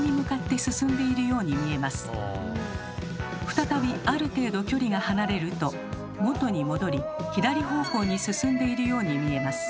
再びある程度距離が離れると元に戻り左方向に進んでいるように見えます。